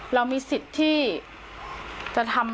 เรามีสิทธิ์ที่จะทำ